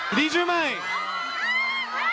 ２０枚！